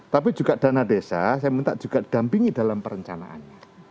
tapi juga dana desa saya minta juga didampingi dalam perencanaannya